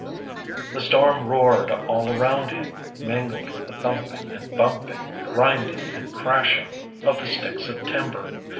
The storm roared all around him, mingled with the thumping and bumping, grinding and crashing, of the sticks of timber.